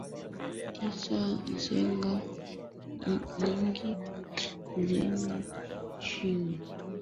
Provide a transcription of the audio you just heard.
tisa shanga nyingi zenye rangi mbalimbali zilifika Afrika Mashariki kutoka Ulaya zikabadilishwa na shanga